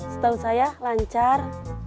setau saya lancar